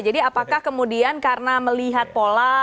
jadi apakah kemudian karena melihat pola